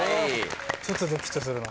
ちょっとドキッとするな。